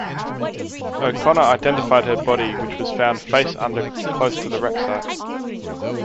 O'Conor identified her body which was found face under close to the wreck site.